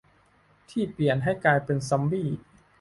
ที่เปลี่ยนให้กลายเป็นซอมบี้